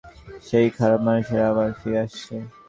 সেই খারাপ মানুষেরা আবার ফিরে আসছে।